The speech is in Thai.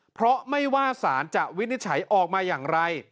เพราะไม่ว่าสารจะวินิจฉัยออกมาอย่างไร